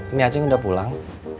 ini aja yang udah pulang